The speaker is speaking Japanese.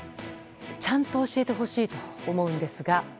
ちゃんと教えてほしいと思うんですが。